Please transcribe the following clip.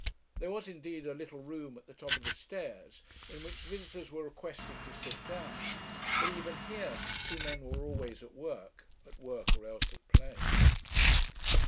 There was, indeed, a little room at the top of the stairs, in which visitors were requested to sit down; but even here two men were always at work at work, or else at play.